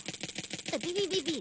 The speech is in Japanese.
ビビビビッ！